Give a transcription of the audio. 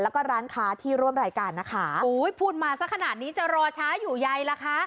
แล้วก็ร้านค้าที่ร่วมรายการนะคะโอ้ยพูดมาสักขนาดนี้จะรอช้าอยู่ใยล่ะคะ